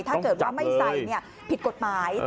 ถ้าเกิดว่าไม่ใส่ผิดกฎหมาย